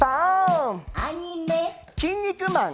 キン肉マン。